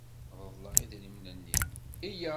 Reḍleɣ idrimen-nni.